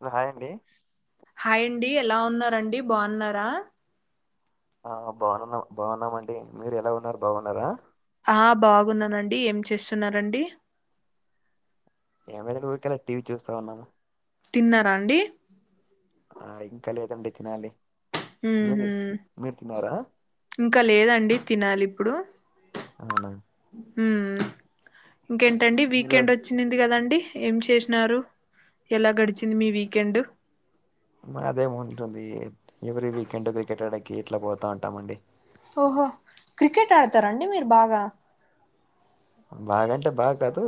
హ్లో hi అండి hi అండి ఎలా ఉన్నారండి బా ఉన్నారా ఆ బావునున్నం బా ఉన్నామండి మీరు ఎలా ఉన్నారు బా ఊన్నారా ఆ బాగున్నానండి ఏం చేస్సున్నరండి ఏం లేదండ్ ఊర్కెలే టీవీ చూస్తా ఉన్నాము తిన్నారా అండి ఆ ఇంక లేదండి తినాలి మీరు ఉహు మీరు తిన్నారా ఇంకా లేదండి అవునా ఊ ఇంకేంటండి మీరు వీకెండ్ ఒచ్చ్ తినింది గదండి ఏం చేస్నారు ఎలా గడిచింది మీ వీకెండ్ మాదేం ఉంటుంది ఎవ్రీ వీకెండ్ క్రికెట్ అడేకి ఎట్లా పోతా ఉంటామండి ఓహో క్రికెట్ ఆడుతారా అండి మీరు బాగా బాగంటే బాగ కాదు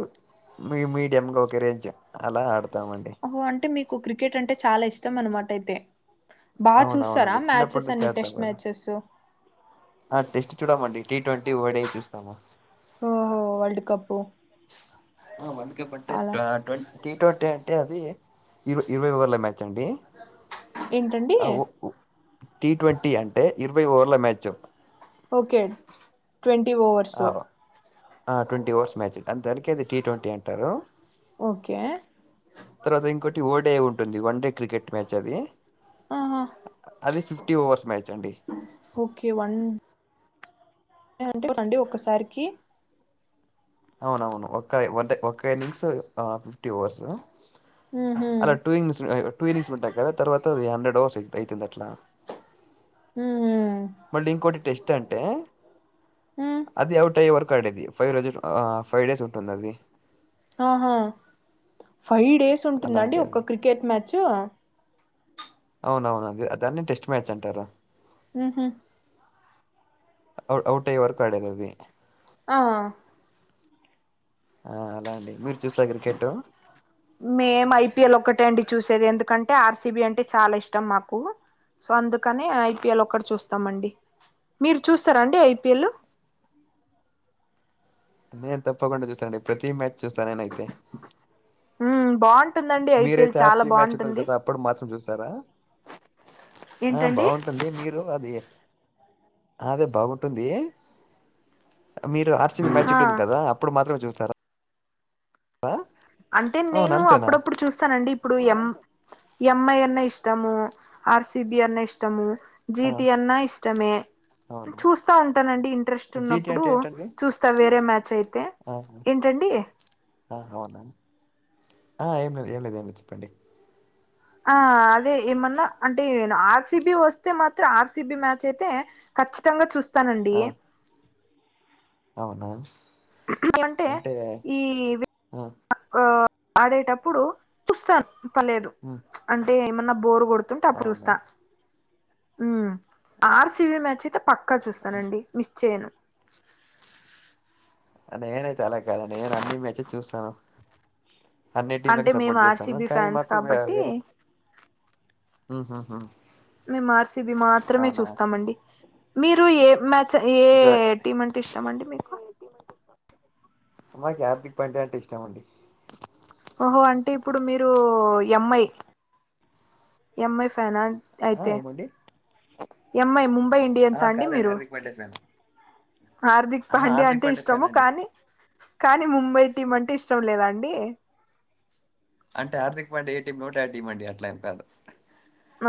మీ మీడియంగా ఒక రేంజ్ అలా ఆడతామండి ఓహో అంటే మీకు క్రికెట్ అంటే చాలా ఇష్టం అన్నమాట అయితే బాగా చూస్తారా అవునవునండి చిన్నప్పటి మ్యాచెస్ నుంచి అన్ని ఆడతాం టెస్ట్ కదా మ్యాచెస్సు ఆ టెస్ట్ చూడమండి టీ ట్వంటీ ఓడే చూస్తాము ఓహో వర్ల్డ్ కప్పు వరల్డ్ కప్ అంటే గా ట్వన్ టీ ట్వంటీ అంటే అది ఇర ఇరవై ఓవర్ల మ్యాచ్ అండి ఏంటండి ఆ ఓ ఓ టి ట్వంటీ అంటే ఇరవై ఓవర్ల మ్యాచ్ ఓకే ట్వంటీ ఆ ఓవర్సు ఆ ట్వంటీ ఓర్స్ మ్యాచ్ అండ్ దానికే అది టీ ట్వంటీ అంటారు ఓకే తర్వాత ఇంకోటి ఓడే ఉంటుంది వన్ డే క్రికెట్ మ్యాచ్ అది అ ఆహా అది ఫిఫ్టీ ఓవర్స్ మ్యాచ్ అండి ఓకే వన్ అంటే అండి ఒక్కసారికి అవునవును ఒక్కాయ్ అంటే ఒక్క ఇన్నింగ్స్ ఫిఫ్టీ ఓవర్స్ ఉహు అలా టూ ఇన్స్ అ టూ ఇనిస్ ఉంటాయ్ కదా తర్వాత అది హండ్రెడ్ ఓవర్స్ అయి అయితుంది అట్లా ఉమ్ మళ్ళీ ఇంకోటి టెస్ట్ అంటే ఉమ్ అది ఔట్ అయ్యే వరకు ఆడేది ఫైవ్ రజి ఆ ఫైవ్ డేస్ ఉంటుంది అది ఆహా ఫైవ్ డేస్ అలా ఉంటుందాండి అండి అది ఒక్క క్రికెట్ మ్యాచ్చు అవునవును అదే దాన్ని టెస్ట్ మ్యాచ్ అంటారు మ్మ్ హ్ అ ఔట్ అయ్యే వరకు అడేది అది ఆ ఆ అలా అండి మీరు చూస్తారా క్రికెట్ మేము ఐపిఎల్ ఒకటే అండి చూసేది ఎందుకంటే ఆర్సిబి అంటే చాలా ఇష్టం మాకు సో అందుకనే ఐపిఎల్ ఒక్కటి చూస్తామండి మీరు చూస్తారండి ఐపీఎల్ నేను తప్పకుండా చూస్తానండి ప్రతి మ్యాచ్ చూస్తా నేనైతే ఉమ్ బాగుంటుందండి ఐపిఎల్ మీరైతే చాలా ఆర్సీబీ మ్యాచ్ ఉంటుంది బాగుంటుంది కదా అప్పుడు మాత్రం చూస్తారా ఆ ఏంటండి బాగుంటుంది మీరు అది ఆ అదే బాగుంటుంది మీరు ఆర్సీబీ మ్యాచ్ ఆ ఉంటుంది కదా అప్పుడు మాత్రమే చూస్తారా ఆ అంటే నేను అప్పుడప్పుడు చూస్తానండి ఇప్పుడు ఎం ఎంఐ అన్న ఇష్టము ఆర్సిబి అన్న ఇష్టము ఆ జీటీ అన్న ఇష్టమే అవునా చూస్తా ఉంటానండి ఇంట్రెస్ట్ జీటి ఉన్నప్పుడు అంటే ఏంటండి చూస్తా వేరే మ్యాచ్ అయితే ఆ ఏంటండి ఆ హ అవునా ఏం లేదు ఏం లేదు ఏమి లే చెప్పండి ఆ అదే ఏమన్నా అంటే ఆర్సిబి వస్తే మాత్రం ఆర్సిబి మ్యాచ్ అయితే ఖచ్చితంగా చూస్తానండి ఆ ఏ అవునా అంటే ఈ ఆ ఆ ఆడేటప్పుడు చూస్తాను పర్లేదు మ్మ్ అంటే ఏమన్నా బోరు కొడుతుంటే అప్పు చూస్తా ఊ. ఆర్సిబి మ్యాచ్ అయితే పక్కా చూస్తానండి మిస్ చేయను. నేనైతే అలా కాద నేను అన్ని మ్యాచ్ చూస్తాను. అన్ని అంటే టీంలకు మేము సపోర్ట్ చేస్తాను ఆర్సిబి కానీ ఫ్యాన్స్ మాకు వే కాబట్టి వేరే. ఉహు హు. మేం ఆర్సిబి మాత్రమే చూస్తామండి మీరు ఏ మ్యా. చే ఈసారి ఏ టీమ్ అంటే ఇష్టమండి మీకు. మాక్యా పిప్ అంటే అంటే ఇష్టమండి. ఓహో అంటే ఇప్పుడు మీరు ఎంఐ ఎంఐ ఫ్యానా. ఆ అయితే ఏమండి ఎంఐ ముంబై ఇండియన్స్ ఆ అండి మీరు. వడ్డె ఫ్యాన్. హార్దిక్ ఆహా పాండ్య హార్దిక్ అంటే పాండ్యా ఫ్యాన్ ఇష్టము అండి కానీ కానీ ముంబై టీమ్ అంటే ఇష్టం లేదాండి. అంటే హార్దిక్ పాండే ఏటీమ్ ఉంటే ఆ టీం అండీ అట్లే ఏం కాదు.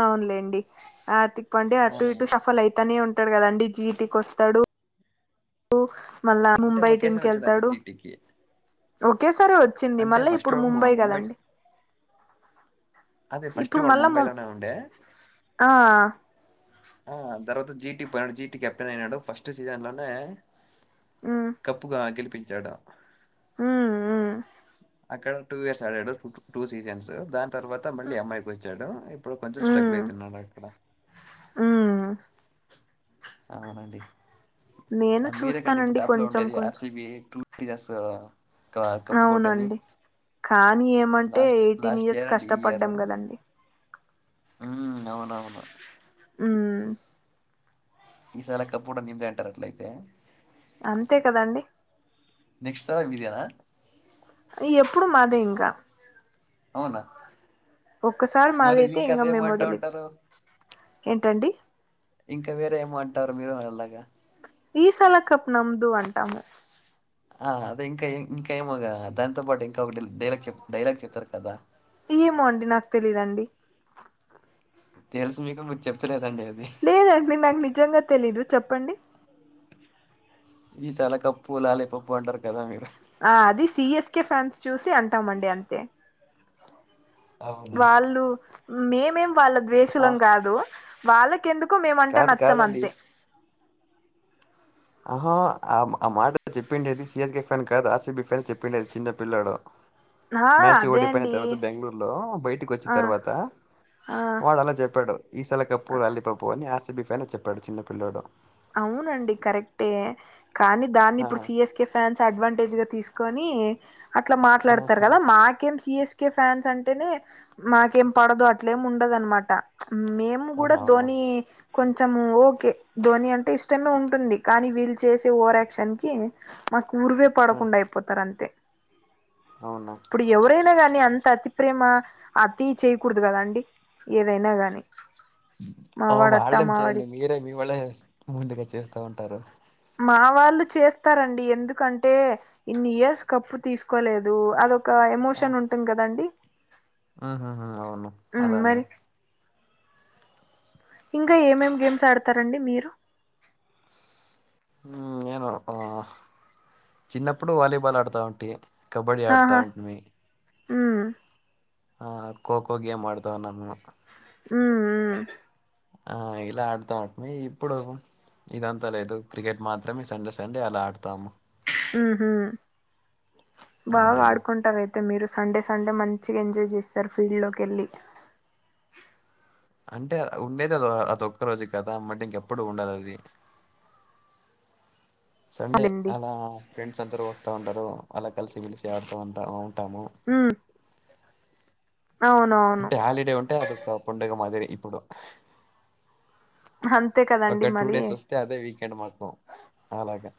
అవునులేండి ఆతిక్ పాండే ఆ అటు ఇటు షఫల్ అయితానే ఉంటాడు కదాండి జీటికి వస్తాడు. ఉ మళ్ళ అంటే ముంబై టీం ఒకేసారి వచ్చాడు అంతే కెళ్తాడు జీటీకి ఓకే సారే వ. చ్చింది అంటే మళ్ళీ ఫస్ట్ ఇప్పుడు వాడు ముంబై ము- కదండి. అదే ఫస్ట్ ఇప్పుడు వాడు మళ్ళా ము ముంబైలోనే ఉండే. ఆ. ఆ తర్వాత జీటి పోయినాడు జీ కెప్టెన్ అయినాడు ఫస్ట్ సీజన్ లోనే. హ్మ్. కప్పుగా గెలిపించాడా. మ్మ్ మ్మ్. అక్కడ టూ ఇయర్స్ ఆడాడు టూ సీజన్స్ దాన్. తర్వాత మళ్ళీ ఎంఐకి వచ్చాడు ఇప్పుడు కొంచెం స్ట్రగుల్ అవుతున్నాడు అక్కడ. మ్మ్. అవునండి నేను ఆ మీరేకండి ఇప్పుడు చూస్తానండి టాప్ లో కొంచెం ఉండేది కొంచెం ఆర్సిబి టూ. పీస్సు క కప్పుకొట్టింది. అవునండి కానీ ఏమంటే ఎయిటీన్ ఇయర్ ఇయర్స్ అండ్ కష్టపడ్డాం కదండి. మ్మ్ అవునవును. ఉమ్. ఈసాలా కప్పు ఉడా నీదే అంటారా అట్ల అయితే. అంతే కదండి. నెక్స్ట్ సార్గ్ మీది కాదా. ఎప్పుడు మాదే ఇంకా. అవునా. ఒక్కసారి మరి ఇది మాదైతే ఇంకా ఇంగ అదేమో మేము అంటా వదిలి ఉంటారు ఏంటండి. ఇంకా వేరే ఏమంటారు మీరు వాళ్లాగా. ఈ సల కప్ నమ్దు అంటాము. ఆ అదే ఇంకా ఇంకా ఏమోగా దానితో పాటు ఇంకా ఒకటి డైలాగ్ చెప్ డైలాగ్ చెప్తారు కదా. ఏమో అండి నాకు తెలీదండి. తెలుసు మీకు మీద్ చెప్తలేదండి అది. లేదండి నాకు నిజంగా తెలీదు చెప్పండి. ఈశాల కప్పు లాలీపప్పు అంటారు కదా మీరు. ఆ అది సిఎస్కే ఫ్యాన్స్ చూసి అంటామండి అంతే. అవును వాళ్ళు మేమేం వాళ్ళ ఆ ద్వేషలం కాదు వాళ్ళకేందుక్. కు మేమంటే కాదు నచ్చమ్ కాదండి అంతే. ఆహా ఆ ఆ మాట చెప్పిండేది సిఎస్కే ఫ్యాన్ కాదు ఆర్సిబి ఫ్యాన్ చెప్పిండేది చిన్న పిల్లడు ఆ మ్యాచ్ అదే ఓడిపోయిన అండి తర్వాత బెంగళూరులో బయటకి వచ్చిన ఆ తర్వాత, ఆ వాడు అలా చెప్పాడు ఈసల కప్పు లాల్లిపప్పు అని ఆర్సబి ఫ్యానే చెప్పాడు చిన్న పిల్ల్లోడు. అవునండి కరెక్టే కాని దాన్ని ఇప్పుడు ఆహా! సిఎస్కె, ఫాన్స్ అడ్వాంటేజ్ గా తీసుకొని అట్లా మాట్లాడతారు ఆహా! కదా మాకేం సీఎస్కె కే ఫ్యాన్స్ అంటేనే మాకేం పడదు అట్లేమి ఉండదు అనమాట, మేము గూడ ఆహా! అవునా! ధోని కొంచెము ఓకే ధోని అంటే టే ఇష్టమే ఉంటుంది కానీ వీళ్ళు చేసే ఓవర్ యాక్షన్ కి, మాకు ఉరువే ఆ! పడకుండ అయిపోతారు అంతే, అవునా ఇప్పుడు ఎవరైనా నీ అంత అతి ప్రేమ అతి చేయకూడదు కదా అండి. ఏదైనా గాని, మావాడట్టా వాళ్ళేం మావాడి చేయండి మీరే మీ వాళ్ళే ముందుగా వచ్చేస్తా ఉంటారు. మా వాళ్ళు చేస్తారండి ఎందుకంటే ఇన్ని ఇయర్స్ కప్పు తీసుకోలేదు అదొ క ఎమోషన్ ఉంటుంది కదండి. ఉ ఉ ఉ. అవును ఉమ్ అలానుే మరి ఇంకా ఏమేమి గేమ్స్ ఆడతారండి మీరు, ఉ నేను ఉ చిన్నప్పుడు వాలీబాల్ ఆడుతా ఉంటే కబడ్డీ ఆహా ఆడతాటుంమి ఉమ్ ఆ ఖోఖో గేమ్ ఆడదావ్ నమ్ ఉమ్ ఉమ్ ఆ ఇలా అడుతాము మి ఇప్పుడు ఇదంతా లేదు క్రికెట్ మాత్రమే సండే సండే అలా ఆడతాము. ఉమ్ హ బాగా అవునండి ఆడుకుంటార అయితే, అయితే మీరు సండే సండే మంచిగా ఎంజాయ్ చేస్తారు ఫీల్డ్ లోకి వెళ్ళి. అంటే ఉండేది అద అది ఒక్క రోజు కదా మట్ ఇంకెప్పుడు ఉండది అది. సండే అవునండి అలా ఫ్రెండ్స్ అందరూ వస్తా ఉంటారు అలా కలిసి పిలిసి ఆడుతా ఉంటా ఉంటాము. ఉమ్ అవునువును. అంటే హాలిడే ఉంటే అదొక పండుగ మాదిరి ఇప్పుడు. అంతే కదండి ఒక టూ మరి డేస్ వస్తే అదే వీకెండ్ మాకు అలాగా,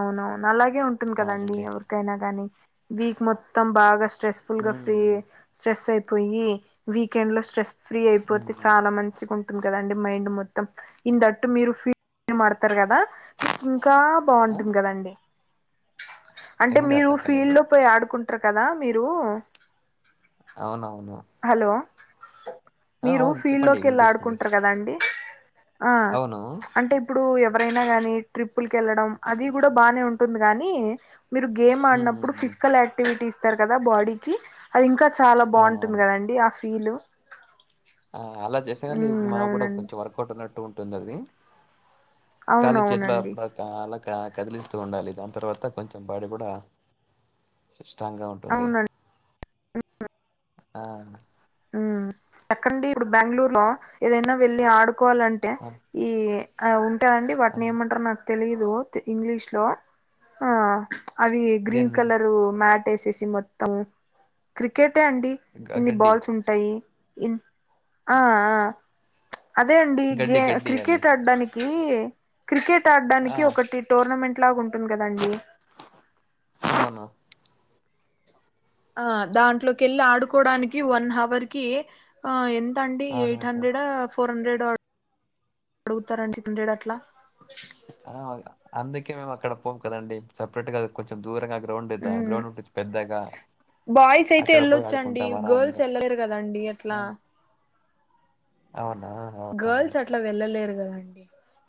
అవునవును అలాగే ఉంటుంది కదండి అవునండి ఎవరికైనా గాని వీక్ మొత్తం బాగా స స్ట్రెస్ఫుల్ గా ఫ్రీ ఉమ్ స్ట్రెస్ ఎక్కువయ్యి వీకెండ్ లో స్ట్రెస. ఫ్రీ ఉమ్ అయిపోతే ఉమ్. చాలా మంచిగా ఉంటుంది కదండి మైండ్ మొత్తం ఇందట్టు మీరు ఫీ, ని మా ఆడతారు కదా ఇంకా ఆ బాగుంటుంది కదండి. అంటే ఏమండి మీరు అర్థం కాలేదు ఫీల్డ్లో పోయి ఆడుకుంటారు కదా మీరు, అవునవును. హలో ఆ మీరు అవును ఫీల్డ్ చెప్పండి లోకి వెళ్ళి వినిపిస్తుంది ఆడుకుంటారు కదా అండి. ఆ అవును అంటే ఇప్పుడు ఎవరైనా గానీ ట్రిప్పుల్కి వెళ్ళడం అది కూడా బానే ఉంటుంది కాగానీ, మీరు గేమ్ ఉమ్ ఆడినప్పుడు ఉమ్, ఉమ్. ఫిజికల్ యాక్టివిటీ ఇస్తారు కదా బాడీకి అది ఇంకా చాలా బాగుంటంది. అవునవును అండి ఆ ఫీలు ఆ అలా చేసేనండి ఉమ్ మనకు కూడా అవునండి కొంచెం వర్కౌట్ ఉన్నట్టు ఉంటుంది అది కాళ్ళు చేతులు అవునవునండి అప్పుడక అలా కదిలిస్తూ ఉండాలి దాని తర్వాత కొంచెం బాడీ కూడా సిస్టంగా ఉంటుంది అవునండి ఆ ఉ ఎక్కండి ఇప్పుడు బెంగళూరు లో ఏదైనా వెళ్ళి ఆడుకోవాలంటే ఆ! ఈ ఆ ఉంటాయండి ఆ! వాటిని ఏమంటారో నాకు తెలీదు ఇంగ్లీష్ లో ఆ అవి గ్రీన్ దేన్ని కలరు మ్యాట్ వేసేసి మొత్తం క్రికెటే అండి గ ఇన్ని గడ్డి, బాల్స్ ఉంటాయి ఇన్ ఆ ఆ అదే అండి గడ్డి, గే గడ్డి అది. క్రికెట్ ఆడడానికి క్రికెట్ ఆ! ఆడడానికి ఒకటి టోర్నమెంట్ లాగా ఉంటుంది కదండి అవును ఆ దాంట్లోకి వెళ్ళి ఆడుకోడానికి వన్ హవర్ కి ఆ ఎంత అండి ఎయిట్ ఆహాహా! హండ్రెడ్ ఓ ఫోర్ హండ్రెడ్ ఓ అడుగుతారండి హండ్రెడ్ అట్లా ఆ అందుకే మేము అక్కడ పోం కదండి సపరేట్ గా అది కొంచెం దూరంగా కా గ్రౌండ్ ద గ్రౌండ్ ఉంటది పెద్దగా బాయ్స్ అయితే అక్కడ పోయి వెళ్ళొచ్చండి ఆడుకుంటాం గర్ల్స్ ఆరాంగా. వెళ్ళలేరు కదండి అట్లా ఆ! అవునా అవును. గర్ల్స్ అట్లా వెళ్ళలేరు కదండి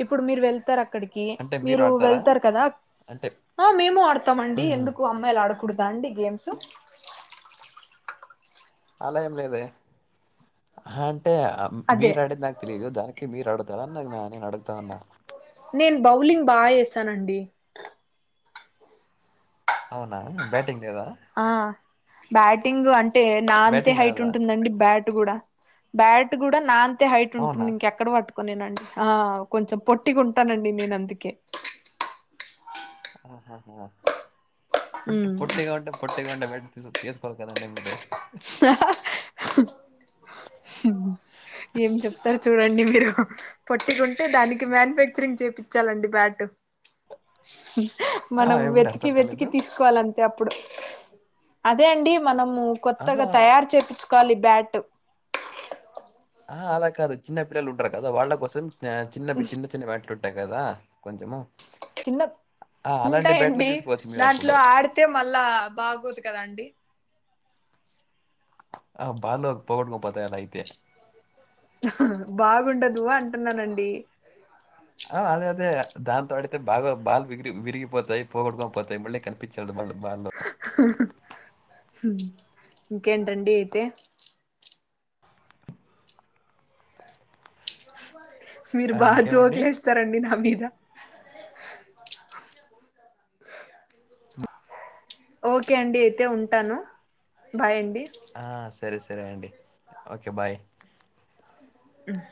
ఇప్పుడు మీరు వెళ్తారు అక్ అక్కడికి అంటే మీరు ఆడతారా? వెళ్తారు కదా అంటే ఆ మేము ఆడతామండి హ్మ్. ఎందుకు అమ్ మాయిలా ఆడకూడదా అండి గేమ్స్ అలా ఏం లేదే అహ అంటే అదే మీరు ఆడిది నాకు తెలీదు దానికి మీరు అడుతార [unintelligible] నేను అడుగుతా అన్నా నేను బౌలింగ్ బా చేసానండి అవునా బ్యాటింగ్ లేదా ఆ బ్యాటింగ్ అంటే నా అంతే బ్యాటింగ్ హైట్ రాదా? ఉంటుందండి బ్యాట్ బ్యాట్ కూడా బ్యాట్ కూడ నా అంతే హైట్ అవునా? ఉంటుంది ఇంక్క ఎక్కడ పట్టుకునేనండి ఆ కొంచెం పొట్టిగా ఉంటానండి నేను అందుకే ఆహాహ పొట్టి ఉమ్ పొట్టిగా ఉంటే పొట్టి కొండే బయట తీస్ తీసుకోవాలి కదండి మీరు స ఊ ఏం చెప్తారు చూడండి మీరు పొట్టికుంటే దానికి మ్యాను ఫ్యాక్చరింగ్ చేయించాలండి బ్యాట్ ఆ! మనం ఏమండి వెతికి అర్థం వెతికి కాలేదు? తీసు కోవాలంతే అప్పుడు అదే అండి మనము కొత్తగా ఆహా! తయారు చేపిచ్ కోవాలీ బ్యాట్ ఆ అలా కాదు చిన్న పిల్లలు ఉంటారు కదా వాళ్ళ కోసం ఆ చిన్నవి చిన్న చిన్న మాట్లుంటాయి కదా కొంచము కింద ఉంటాయండి తీసుకోవచ్చు దాంట్లో మీరప్పుడు. ఆడితే మళ్ళా బాగోదు కదండి ఆ బాద పగడ్ గా పోతాయి అలా అయితే బాగుండదు అంటున్నానండి ఆ అదే అదే దాంతో అడితే బాగా బాల్ విగి విరిగిపోతాయి పోగొట్కొని పోతాయి మళ్ళీ కనిపి పిచదు మళ బాలు ఇంకేంటండి అయితే మీరు ఆ! బాగా ఇంకేమండి? జోక్లేస్తారండి నా మీద ఉ ఓకే అండి అయితే ఉంటాను బాయండి ఆ సరే సరే అండి ఓకే బాయ్ మ్మ్